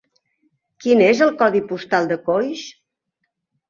Quin és el codi postal de Coix?